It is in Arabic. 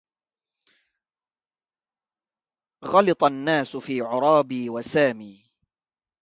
غلط الناس في عرابي وسامي